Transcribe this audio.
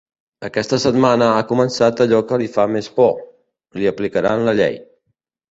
Aquesta setmana ha començat allò que li fa més por: li aplicaran la llei.